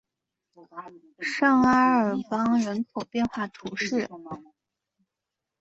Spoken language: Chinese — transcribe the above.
圣阿尔邦人口变化图示